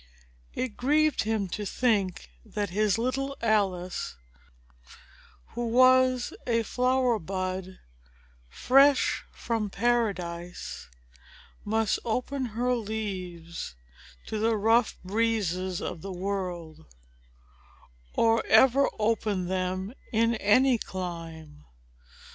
It grieved him to think that his little Alice, who was a flower bud fresh from paradise, must open her leaves to the rough breezes of the world, or ever open them in any clime.